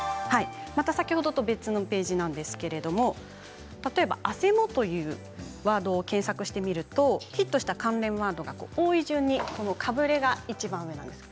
先ほどの別のページなんですけれど例えば、あせもというワードを検索していきますとヒットした関連ワードが多い順にかぶれがいちばん上です。